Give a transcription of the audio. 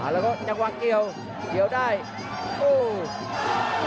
แล้วยังวางเกี่ยวเอาแค่วงกรับได้